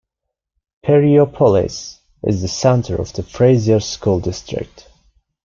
Perryopolis is the center of the Frazier School District.